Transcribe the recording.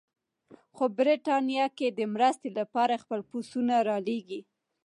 خو برټانیه که د مرستې لپاره خپل پوځونه رالېږي.